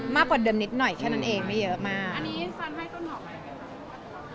มากกว่านิดหน่อยแค่นั่นเองเพย่อแล้วมาก